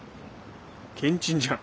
けんちんじゃん。